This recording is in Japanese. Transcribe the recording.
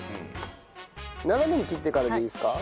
斜めに切ってからでいいですか？